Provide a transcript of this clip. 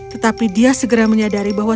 tetapi dia segera menyadari bahwa